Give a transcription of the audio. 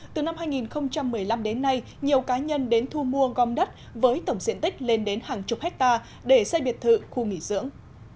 từ năm hai nghìn một mươi năm đến nay nhiều cá nhân đến thu mua gom đất với tổng diện tích lên đến hàng chục hectare để xây biệt thự khu nghỉ dưỡng